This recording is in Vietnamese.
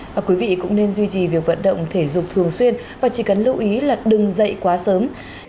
và quý vị cũng nên duy trì việc vận động thể dục thường xuyên và chỉ cần lưu ý là đừng dậy quá sớm